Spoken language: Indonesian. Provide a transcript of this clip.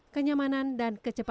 kemarin masih rp delapan ratus